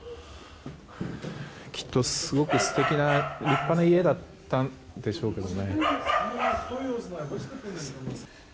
きっとすごく素敵な立派な家だったんでしょうけどね。